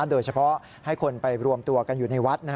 โดยเฉพาะให้คนไปรวมตัวกันอยู่ในวัด